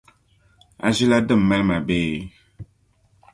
A ʒi la din mali ma bee?